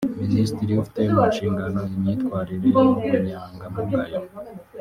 Minisitiri ufite mu nshingano imyitwarire n’ubunyangamugayo